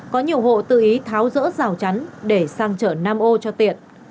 có nhiều hộ tự ý tháo rỡ rào chắn để sang chợ nam âu cho tiện